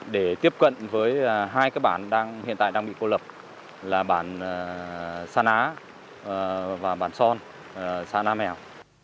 để tiếp cận với hai cái bản hiện tại đang bị cô lập là bản san á và bản son xã nam mèo